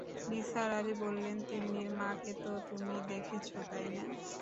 নিসার আলি বললেন, তিন্নির মাকে তো তুমি দেখেছ, তাই না?